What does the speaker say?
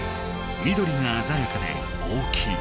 緑があざやかで大きい。